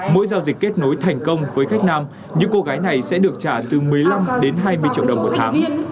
mỗi giao dịch kết nối thành công với khách nam những cô gái này sẽ được trả từ một mươi năm đến hai mươi triệu đồng một tháng